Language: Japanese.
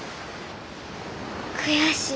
悔しい。